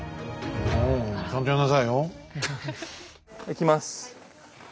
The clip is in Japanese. いきます。